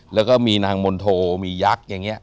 แล้วก็มีนางมนโทมียักษ์อย่างนี้